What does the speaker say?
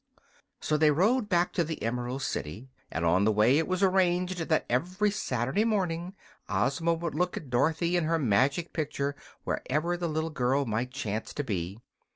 So they rode back to the Emerald City, and on the way it was arranged that every Saturday morning Ozma would look at Dorothy in her magic picture, wherever the little girl might chance to be.